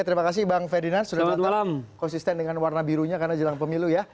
terima kasih bang ferdinand sudah datang konsisten dengan warna birunya karena jelang pemilu ya